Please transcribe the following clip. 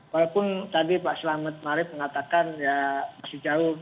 walaupun tadi pak selamat ma'arif mengatakan masih jauh